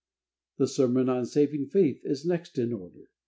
The sermon on Saving Faith is next in order.